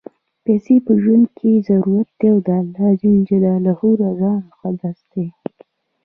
پیسی په ژوند کی ضرورت دی، او د اللهﷻ رضا مقصد دی.